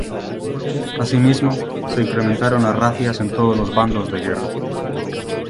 Asimismo, se incrementaron las razias en todos los bandos de guerra.